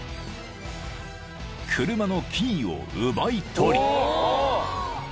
［車のキーを奪い取り］